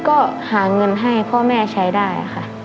ก็หาเงินให้พ่อแม่ใช้ได้ค่ะ